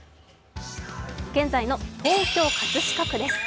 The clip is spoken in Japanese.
現在の東京・葛飾区です。